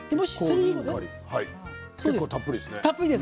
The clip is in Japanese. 結構たっぷりですね。